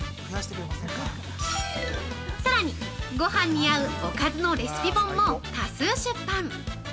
さらに、ごはんに合うおかずのレシピ本も多数出版！